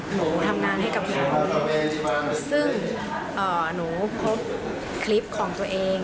หนูทำงานให้กับหนูซึ่งหนูพบคลิปของตัวเอง